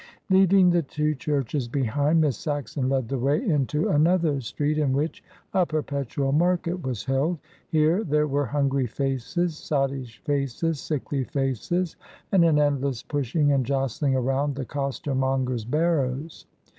Leaving the two churches behind, Miss Saxon led the way into another street in which a perpetual market was held. Here there were hungry faces, sottish faces, sickly faces, and an endless pushing and jostling around the costermongers' barrows.